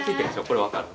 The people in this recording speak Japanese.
これ分かる？